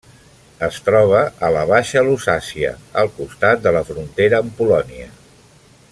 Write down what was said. Es troba a la Baixa Lusàcia, al costat de la frontera amb Polònia.